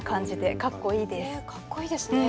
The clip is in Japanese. かっこいいですね。